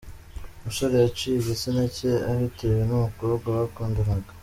Umusore yaciye igitsina cye abitewe n’umukobwa bakundanaga.